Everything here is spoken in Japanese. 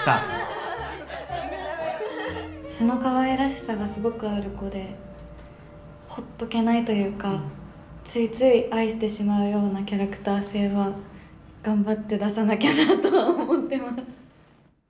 素のかわいらしさがすごくある子でほっとけないというかついつい愛してしまうようなキャラクター性は頑張って出さなきゃなとは思ってます。